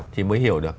thì mới hiểu được